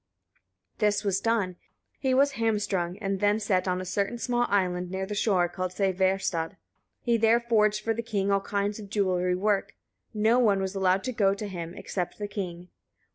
This was done; he was hamstrung, and then set on a certain small island near the shore, called Sævarstad. He there forged for the king all kinds of jewellery work. No one was allowed to go to him, except the king.